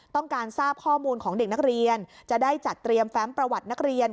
ต้องการทราบข้อมูลของเด็กนักเรียนจะได้จัดเตรียมแฟมประวัตินักเรียน